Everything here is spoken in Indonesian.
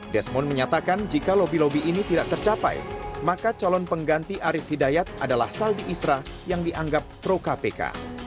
desmond menyatakan jika lobby lobby ini tidak tercapai maka calon pengganti arief hidayat adalah saldi isra yang dianggap pro kpk